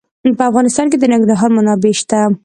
په افغانستان کې د ننګرهار منابع شته.